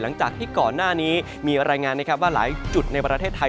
หลังจากที่ก่อนหน้านี้มีรายงานนะครับว่าหลายจุดในประเทศไทย